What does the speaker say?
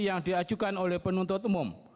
yang diajukan oleh penuntut umum